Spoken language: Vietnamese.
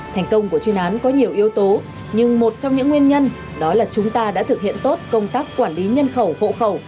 thành công của chuyên án có nhiều yếu tố nhưng một trong những nguyên nhân đó là chúng ta đã thực hiện tốt công tác quản lý nhân khẩu hộ khẩu